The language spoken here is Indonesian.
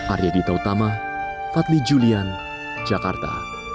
arya dita utama fadli julian jakarta